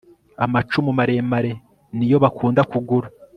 Amacumu maremare niyo bakunda kugura